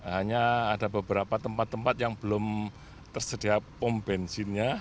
hanya ada beberapa tempat tempat yang belum tersedia pom bensinnya